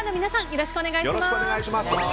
よろしくお願いします。